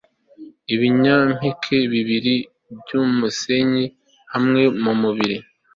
ibinyampeke bibiri byumusenyi hamwe muburiri